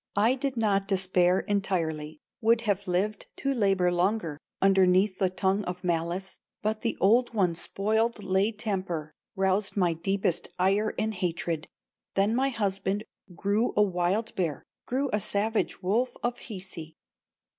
I did not despair entirely, Would have lived to labor longer Underneath the tongue of malice, But the old one spoiled my temper, Roused my deepest ire and hatred; Then my husband grew a wild bear, Grew a savage wolf of Hisi.